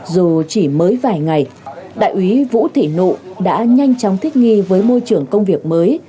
dù chỉ mới vài ngày đại úy vũ thị nụ đã nhanh chóng thích nghi với môi trường công việc mới